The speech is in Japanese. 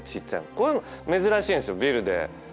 こういうの珍しいんですよビルで。